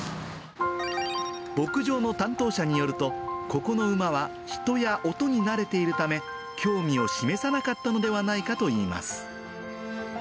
牧場の担当者によると、ここの馬は人や音に慣れているため、興味を示さなかったのではないかといいます。